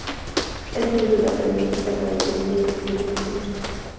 Es miembro de la Academia Mexicana de la Lengua y de El Colegio Nacional.